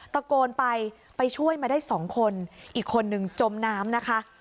ตะโกนไปไปช่วยมาได้สองคนอีกคนนึงจมน้ำนะคะ